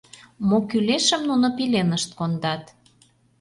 Мо кӱлешым нуно пеленышт кондат.